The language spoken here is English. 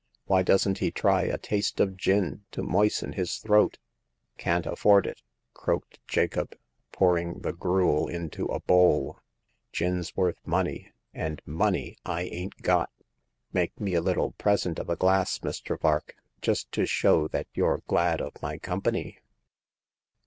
Why doesn't he try a taste of gin to moisten his throat ?"" Can't afford it !" croaked Jacob, pouring the gruel into a bowl. Gin's worth money, and money I ain't got. Make me a little present of a glass, Mr. Vark, just to show that you're glad of my company."